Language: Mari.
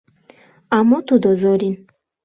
А мо тудо Зорин?